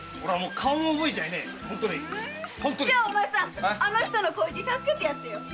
じゃお前さんあの人の恋路を助けてやってよ。